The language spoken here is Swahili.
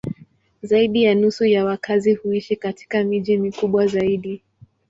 Zaidi ya nusu ya wakazi huishi katika miji mikubwa zaidi.